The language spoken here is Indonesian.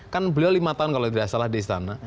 kan beliau lima tahun kalau tidak salah di istana